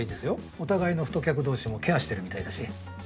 お互いの太客同士もケアしてるみたいだし。